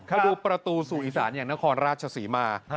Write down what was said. ถ้าดูประตูสู่อีสานอย่างนครราชศรีมา